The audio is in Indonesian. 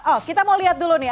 oh kita mau lihat dulu nih